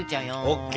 ＯＫ。